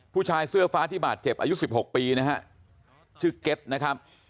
ผู้ชายเสื้อฟ้าที่บาดเจ็บอายุ๑๖ปีนะฮะชื่อเก็ตนะครับ